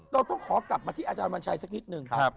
เราต้องขอกลับมาที่อาจารย์วันชัยสักนิดนึง